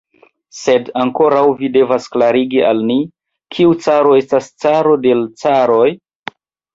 Sed ankoraŭ vi devas klarigi al ni: kiu caro estas caro de l' caroj?